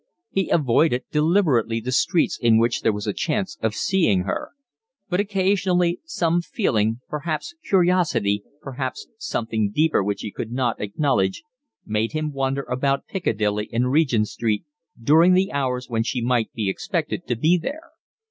He avoided deliberately the streets in which there was a chance of seeing her; but occasionally some feeling, perhaps curiosity, perhaps something deeper which he would not acknowledge, made him wander about Piccadilly and Regent Street during the hours when she might be expected to be there.